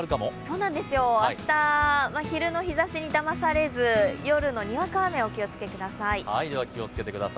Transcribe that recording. そうなんですよ、明日、昼の日ざしにだまされず夜のにわか雨、お気をつけください。